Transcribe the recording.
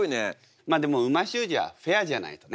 まあでも美味しゅう字はフェアじゃないとね。